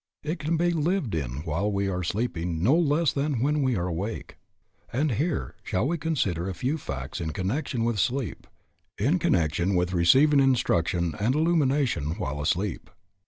It can be lived in while we are sleeping no less than when we are awake. And here shall we consider a few facts in connection with sleep, in connection with receiving instruction and illumination while asleep?